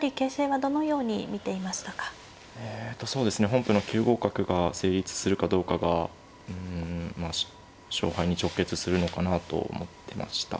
本譜の９五角が成立するかどうかがうんまあ勝敗に直結するのかなと思ってました。